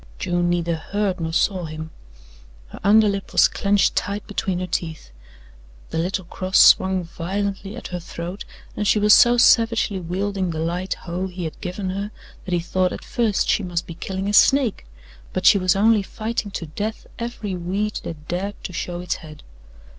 June neither heard nor saw him. Her underlip was clenched tight between her teeth, the little cross swung violently at her throat and she was so savagely wielding the light hoe he had given her that he thought at first she must be killing a snake; but she was only fighting to death every weed that dared to show its head.